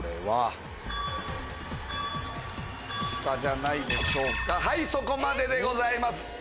はいそこまででございます。